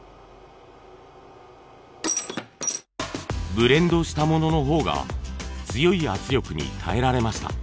ブレンドしたものの方が強い圧力に耐えられました。